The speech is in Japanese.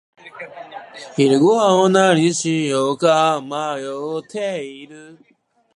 昼ごはんは何にしようか迷っている。